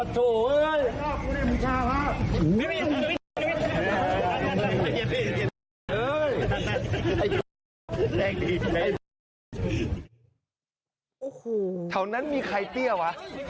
เฉานั้นมีใครเตี้ยวะ